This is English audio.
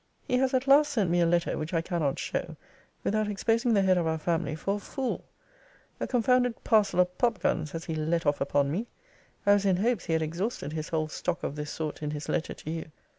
He has at last sent me a letter which I cannot show, without exposing the head of our family for a fool. A confounded parcel of pop guns has he let off upon me. I was in hopes he had exhausted his whole stock of this sort in his letter to you.